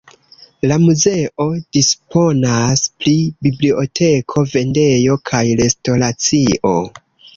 La muzeo disponas pri biblioteko, vendejo kaj restoracio.